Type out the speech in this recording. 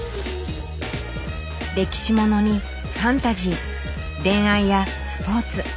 歴史ものにファンタジー恋愛やスポーツ。